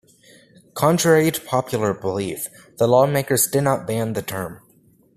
Contrary to popular belief, the lawmakers did not ban the term.